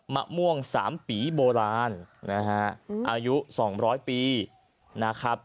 มะม่วง๓ปีโบราณนะฮะอายุ๒๐๐ปีนะครับ